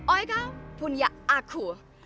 oiga punya aku